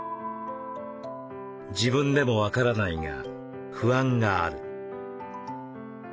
「自分でも分からないが不安がある」。